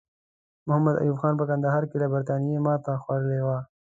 محمد ایوب خان په کندهار کې له برټانیې ماته خوړلې وه.